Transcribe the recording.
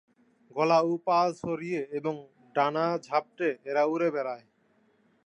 গলা ও পা ছড়িয়ে এবং ডানা ঝাপটে এরা উড়ে বেড়ায়।